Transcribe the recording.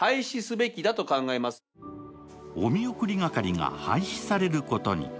おみおくり係が廃止されることに。